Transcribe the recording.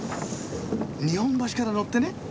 日本橋から乗ってね